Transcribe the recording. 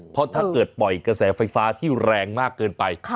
เพราะถ้าเกิดปล่อยกระแสไฟฟ้าที่แรงมากเกินไป